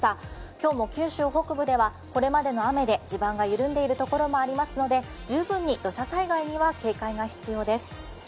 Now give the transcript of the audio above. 今日も九州北部ではこれまでの雨で地盤が緩んでいるところもありますので十分に土砂災害には警戒が必要です。